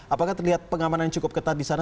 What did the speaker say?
apakah terlihat pengamanan yang cukup ketat di sana